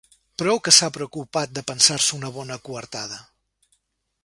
Prou que s'ha preocupat de pensar-se una bona coartada.